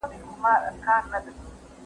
زه به سبا سبزیحات تياروم وم!؟